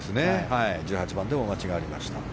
１８番でも待ちがありました。